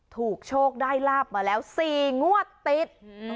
โชคได้ลาบมาแล้ว๔งวดติด